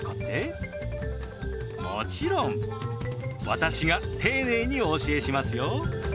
もちろん私が丁寧にお教えしますよ。